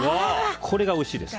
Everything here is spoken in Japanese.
これがおいしいです。